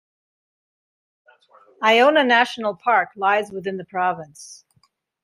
Iona National Park lies within the province.